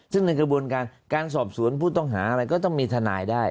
ซึ่งในกระบวนการการสอบสวนผู้ต้องหาอะไรก็ต้องมีทนายได้